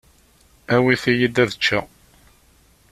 Awit-iyi-d ad ččeɣ.